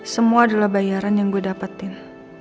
semua adalah bayaran yang gue dapetin